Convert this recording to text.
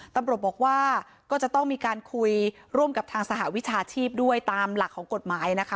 ตำรวจบอกว่าก็จะต้องมีการคุยร่วมกับทางสหวิชาชีพด้วยตามหลักของกฎหมายนะคะ